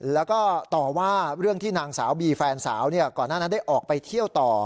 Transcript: แล้วก็ต่อว่าเรื่องที่นางสาวบีแฟนสาวก่อนหน้านั้นได้ออกไปเที่ยวต่อ